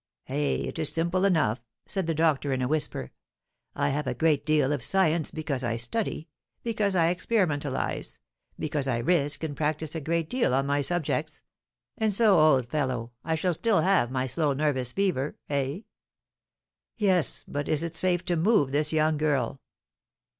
"Eh! It is simple enough," said the doctor, in a whisper. "I have a great deal of science because I study, because I experimentalise, because I risk and practise a great deal on my subjects; and so, old fellow, I shall still have my slow nervous fever, eh?" "Yes; but is it safe to move this young girl?"